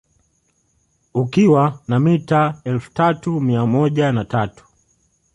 Ukiwa na mita elfu tatu mia moja na tatu